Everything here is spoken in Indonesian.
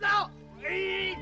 ah atuh tolong